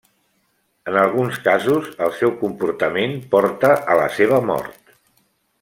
En alguns casos, el seu comportament porta a la seva mort.